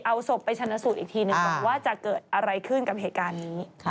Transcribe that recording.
เอาศพไปชนะสูตรอีกทีหนึ่งก่อนว่าจะเกิดอะไรขึ้นกับเหตุการณ์นี้